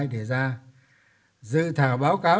đề ra dư thảo báo cáo